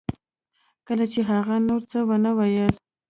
کله چې هغې نور څه ونه ویل